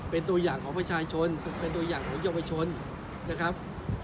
เป็นตัวอย่างของประชาชนเป็นตัวอย่างของเยาวชนนะครับ